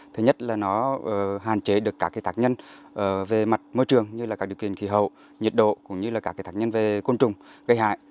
thứ nhất là nó hạn chế được các tác nhân về mặt môi trường như là các điều kiện khí hậu nhiệt độ cũng như là các tác nhân về côn trùng gây hại